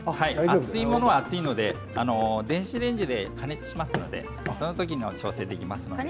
厚いものは厚いので電子レンジで加熱しますのでそのときに調整できますので。